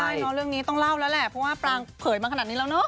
ใช่เนาะเรื่องนี้ต้องเล่าแล้วแหละเพราะว่าปรางเผยมาขนาดนี้แล้วเนาะ